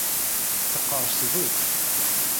Teqqerseḍ akk!